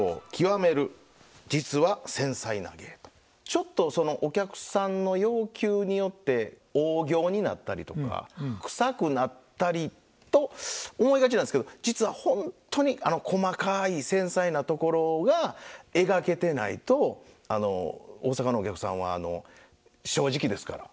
ちょっとお客さんの要求によって大仰になったりとか臭くなったりと思いがちなんですけど実はほんとに細かい繊細なところが描けてないと大阪のお客さんは正直ですから。